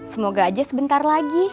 semoga aja sebentar lagi